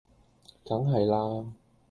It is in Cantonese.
梗係啦